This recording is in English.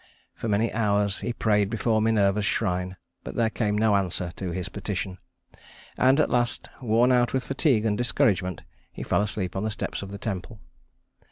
For many hours he prayed before Minerva's shrine, but there came no answer to his petition; and, at last, worn out with fatigue and discouragement, he fell asleep on the steps of the temple.